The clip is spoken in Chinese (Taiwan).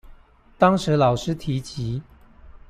當時老師提及